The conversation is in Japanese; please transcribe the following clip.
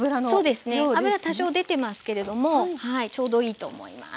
そうですね油多少出てますけれどもちょうどいいと思います。